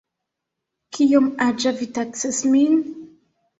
Kiom aĝa vi taksas min?